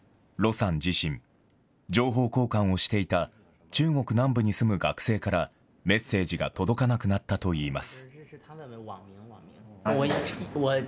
盧さん自身、情報交換をしていた中国南部に住む学生からメッセージが届かなくなったといいます。